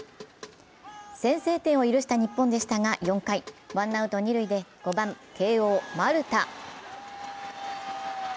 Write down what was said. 先制点を許した日本でしたが４回、ワンアウト二塁で、５番慶応・丸田。